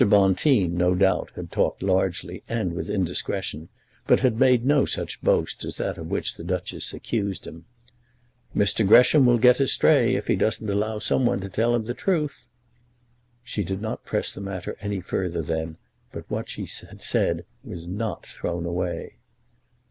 Bonteen, no doubt, had talked largely and with indiscretion, but had made no such boast as that of which the Duchess accused him. "Mr. Gresham will get astray if he doesn't allow some one to tell him the truth." She did not press the matter any further then, but what she had said was not thrown away.